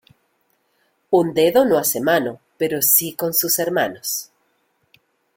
Un dedo no hace mano, pero sí con sus hermanos.